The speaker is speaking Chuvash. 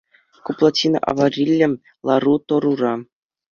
Ку плотина авариллӗ лару-тӑрура.